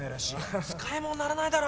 使いもんにならないだろ？